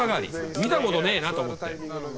見たことねえなと思って。